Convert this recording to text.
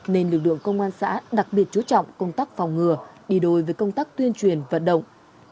nên lực lượng công an xã đặc biệt chú trọng công tác phòng ngừa đi đôi với công tác tuyên truyền vận động